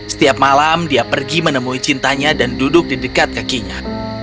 setiap malam dia pergi menemui cintanya dan duduk di dekat kakinya